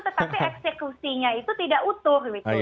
tetapi eksekusinya itu tidak utuh